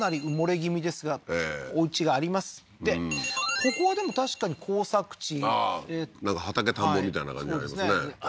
ここはでも確かに耕作地ああーなんか畑田んぼみたいなのが見られますね